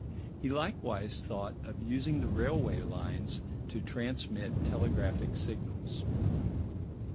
He likewise thought of using the railway lines to transmit telegraphic signals.